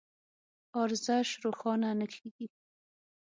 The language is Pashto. ارزش روښانه نه کېږي.